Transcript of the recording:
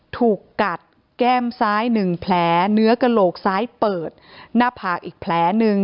ถูกกัดแก้มซ้าย๑แผลเนื้อกระโหลกซ้ายเปิดหน้าผากอีกแผลหนึ่ง